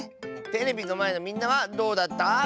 テレビのまえのみんなはどうだった？